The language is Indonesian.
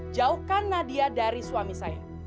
jauhkan nadia dari suami saya